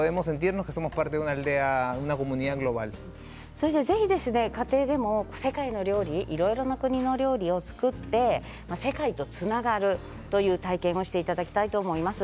そして、ぜひ家庭でも世界の料理いろいろな国の料理を作って世界とつながるという体験をしていただきたいと思います。